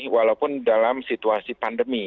walaupun dalam situasi pandemi